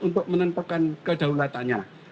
untuk menentukan kedaulatannya